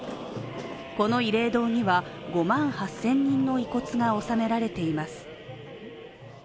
この慰霊堂には、５万８０００人の遺骨が納められています。